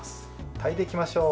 炊いていきましょう。